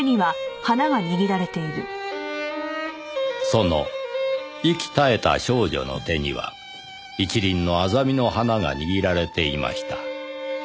その息絶えた少女の手には１輪のアザミの花が握られていました。